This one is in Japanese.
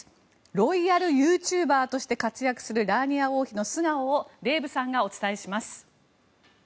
ロイヤルユーチューバーとして活躍するラーニア王妃の素顔をデーブさんがお伝えします。